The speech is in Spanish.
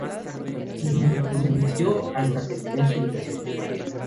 En donde permaneció hasta terminar su educación Primaria.